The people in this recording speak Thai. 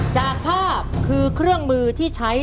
จากภาพคือเครื่องมือที่ใช้